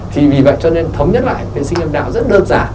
thì vì vậy cho nên thống nhất lại vệ sinh âm đạo rất đơn giản